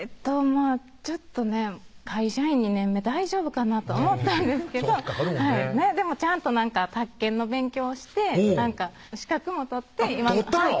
まぁちょっとね会社員２年目大丈夫かなと思ったんですけどでもちゃんと宅建の勉強して資格も取って今取ったの⁉